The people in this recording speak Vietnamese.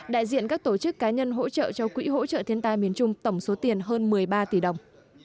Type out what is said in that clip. đại diện các tổ chức cá nhân hỗ trợ cho quỹ hỗ trợ thiên tai miền trung tổng số tiền hơn một mươi ba tỷ đồng